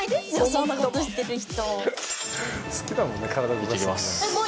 そんなことしてる人。